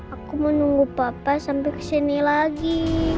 aku menunggu papa sampai kesini lagi